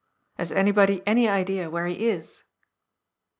Has anybody any idea where he is